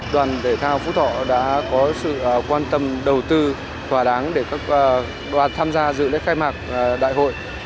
đoàn thể thao phú thọ đã có sự quan tâm đầu tư thỏa đáng để các đoàn tham gia dự lễ khai mạc đại hội